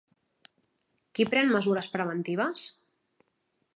Qui pren mesures preventives?